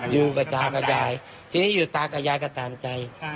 อยู่กับตากระจายทีนี้อยู่ตากับยายก็ตามใจ